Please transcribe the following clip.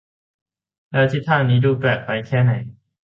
แล้วทิศทางนี้จะดูแปลกไปแค่ไหน